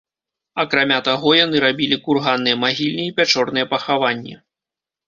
Акрамя таго яны рабілі курганныя магільні і пячорныя пахаванні.